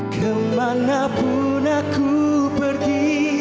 kemana pun aku pergi